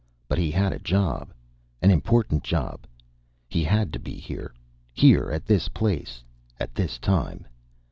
But he had a job, an important job. He had to be here, here at this place, at this time.